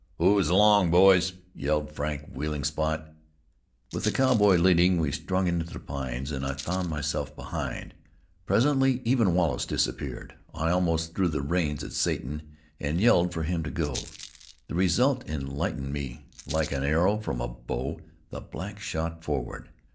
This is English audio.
"Ooze along, boys!" yelled Frank, wheeling Spot. With the cowboy leading, we strung into the pines, and I found myself behind. Presently even Wallace disappeared. I almost threw the reins at Satan, and yelled for him to go. The result enlightened me. Like an arrow from a bow, the black shot forward.